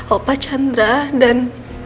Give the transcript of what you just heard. opa chandra dan